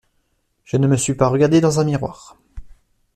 Je ne me suis pas regardé dans un miroir